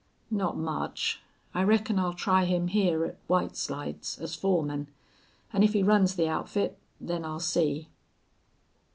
"Not much. I reckon I'll try him hyar at White Slides as foreman. An' if he runs the outfit, then I'll see."